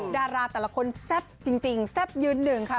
ดาราแต่ละคนแซ่บจริงแซ่บยืนหนึ่งค่ะ